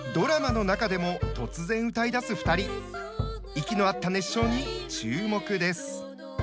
息の合った熱唱に注目です。